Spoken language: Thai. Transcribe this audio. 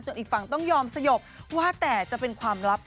จังอีกฝั่งต้องยอมสโยกว่าแต่ความลับ